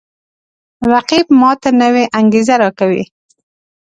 رقیب ما ته نوی انگیزه راکوي